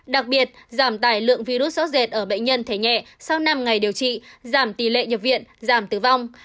đặc biệt giảm tài lượng virus sót dệt ở bệnh nhân thể nhẹ sau năm ngày điều trị giảm tỷ lệ nhập viện giảm tử vong